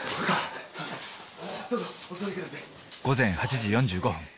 午前８時４５分。